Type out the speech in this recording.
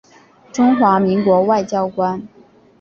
中华民国外交官。